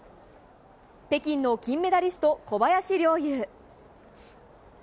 北京の金メダリスト小林陵侑。